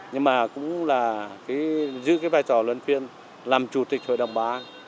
nhưng mà cũng là giữ cái vai trò luyện viên làm chủ tịch hội đồng bảo an